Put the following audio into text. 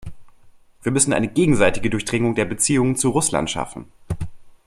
Wir müssen eine gegenseitige Durchdringung der Beziehungen zu Russland schaffen.